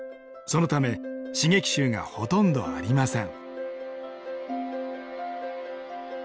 そのため刺激臭がほとんどありません。